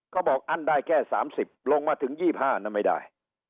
อบอกอั้นได้แค่๓๐ลงมาถึง๒๕นั้นไม่ได้